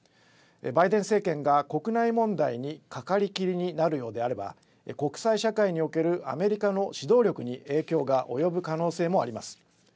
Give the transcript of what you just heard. バイデン政権が国内問題にかかりきりになるようであれば国際社会におけるアメリカの指導力に影響が及ぶ可能性もあります。